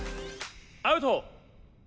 アウト！